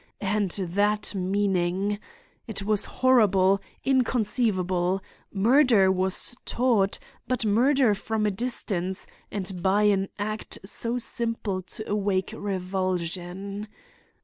And that meaning! It was horrible, inconceivable. Murder was taught; but murder from a distance, and by an act too simple to awake revulsion.